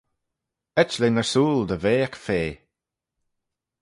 Etlin ersooyl dy ve ec fea!